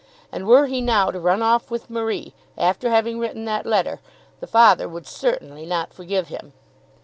And, were he now to run off with Marie, after having written that letter, the father would certainly not forgive him.